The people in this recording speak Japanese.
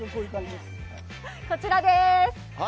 こちらです。